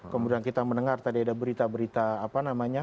kemudian kita mendengar tadi ada berita berita apa namanya